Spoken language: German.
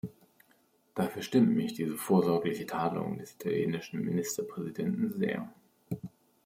Daher verstimmt mich diese vorsorgliche Tadelung des italienischen Ministerpräsidenten sehr.